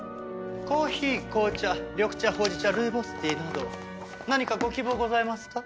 コーヒー紅茶緑茶ほうじ茶ルイボスティーなど何かご希望ございますか？